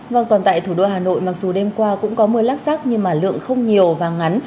vâng còn tại thủ đô hà nội mặc dù đêm qua cũng có mưa lác rắc nhưng mà lượng không nhiều và ngắn